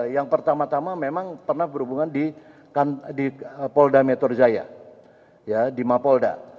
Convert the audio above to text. yang pertama tama memang pernah berhubungan di polda metro jaya di mapolda